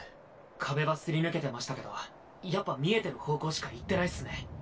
壁はすり抜けてましたけどやっぱ見えてる方向しか行ってないっスね。